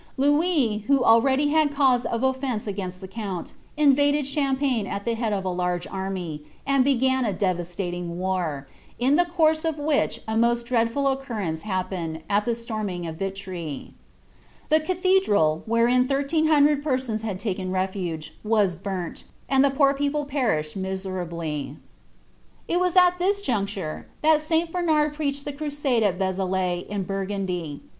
Loui^, who already had cause of oSeoc* agHJiisi t)ie count, invadeil Champagne al the heaJ of a large aimv, atul IwgBii a devastating war, in ihc course of which a mosl dreailful ncruf TCMM happened, al the siormiiig of Vilry: the calliedral, wlieirin tht^ lecn hundred persons had taken refuge, was burnl^ and the poor [itciple perished miserably. It was at this juncture that Si. Bernard preached the crusade al Xe zalai, in Burgundy.